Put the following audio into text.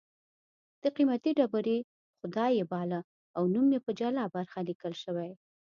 د قېمتي ډبرې خدای یې باله او نوم یې په جلا برخه لیکل شوی